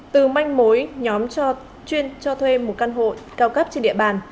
từ manh mối nhóm cho chuyên cho thuê một căn hộ cao cấp trên địa bàn